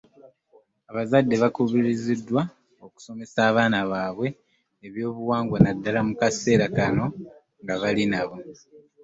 Abazadde bbakubirizibwa okusomesa abaana babwe ebyobuwangwa naddala mukaseera kano nga bali nabo.